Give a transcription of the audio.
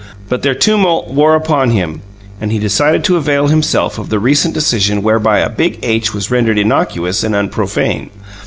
But their tumult wore upon him, and he decided to avail himself of the recent decision whereby a big H was rendered innocuous and unprofane.